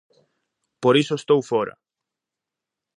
Por iso estou fóra.